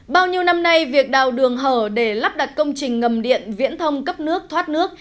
bao nhiêu năm nay việc đào đường hở để lắp đặt công trình ngầm điện viễn thông cấp nước thoát nước